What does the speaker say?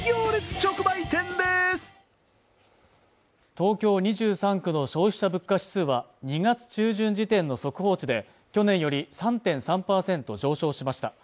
東京２３区の消費者物価指数は、２月中旬時点の速報値で、去年より３．３％上昇しました。